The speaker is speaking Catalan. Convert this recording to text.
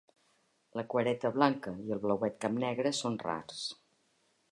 La cuereta blanca i el blauet capnegre són rars.